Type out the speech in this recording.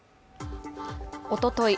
おととい